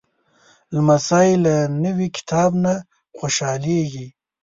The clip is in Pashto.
لمسی له نوي کتاب نه خوشحالېږي.